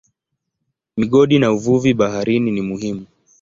Migodi na uvuvi baharini ni muhimu.